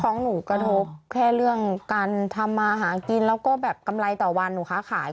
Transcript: ของหนูกระทบแค่เรื่องการทำมาหากินแล้วก็แบบกำไรต่อวันหนูค้าขาย